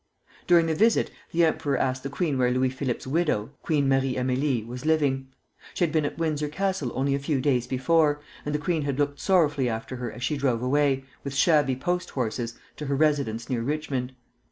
During the visit the emperor asked the queen where Louis Philippe's widow, Queen Marie Amélie, was living. She had been at Windsor Castle only a few days before, and the queen had looked sorrowfully after her as she drove away, with shabby post horses, to her residence near Richmond.